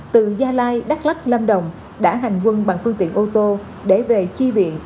từ gia lai đắk lắc lâm đồng đã hành quân bằng phương tiện ô tô để về chi viện